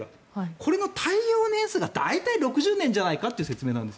これの耐用年数が大体６０年じゃないかという説明なんです。